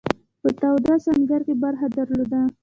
په تاوده سنګر کې برخه درلوده.